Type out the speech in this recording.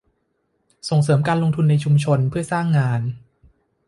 ส่งเสริมการลงทุนในชุมชนเพื่อสร้างงาน